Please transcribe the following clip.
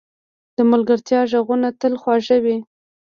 د ملګرتیا ږغونه تل خواږه وي.